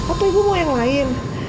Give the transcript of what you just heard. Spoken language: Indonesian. atau ibu mau yang lain